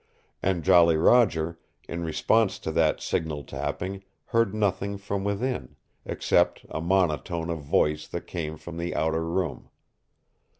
And Jolly Roger, in response to that signal tapping, heard nothing from within, except a monotone of voice that came from the outer room.